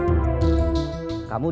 juga geng kok two idol